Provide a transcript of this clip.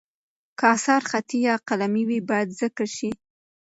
که اثر خطي یا قلمي وي، باید ذکر شي.